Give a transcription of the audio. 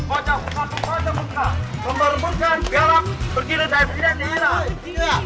wajah muka memperbukakan gerak bergiris dari sidang di heran